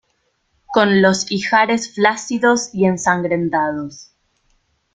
con los ijares flácidos y ensangrentados